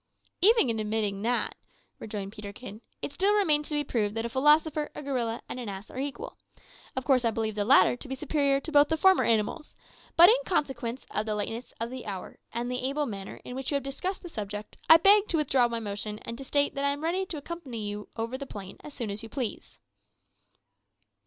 "Even admitting that," rejoined Peterkin, "it still remains to be proved that a philosopher, a gorilla, and an ass are equal. Of course I believe the latter to be superior to both the former animals; but in consideration of the lateness of the hour, and the able manner in which you have discussed this subject, I beg to withdraw my motion, and to state that I am ready to accompany you over the plain as soon as you please."